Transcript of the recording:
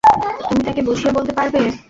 তুমি তাকে বুঝিয়ে বলতে পারবে?